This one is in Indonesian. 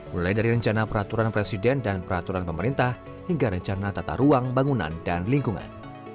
mulai dari rencana peraturan presiden dan peraturan pemerintah hingga rencana tata ruang bangunan dan lingkungan